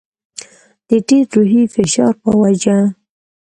د ډېر روحي فشار په وجه.